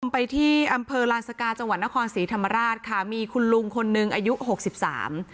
ไปที่อำเภอลานสกาจังหวัดนครศรีธรรมราชค่ะมีคุณลุงคนหนึ่งอายุหกสิบสาม